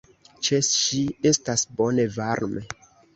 Ĉe ŝi estas bone, varme.